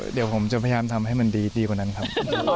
เดี๋ยวผมจะพยายามทำให้มันดีกว่านั้นครับ